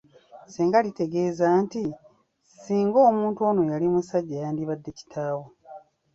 Ssenga litegeeza nti, singa omuntu oyo yali musajja yandibadde kitaawo.